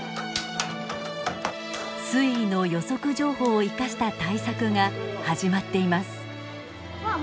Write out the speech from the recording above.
水位の予測情報を生かした対策が始まっています。